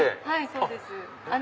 はいそうです。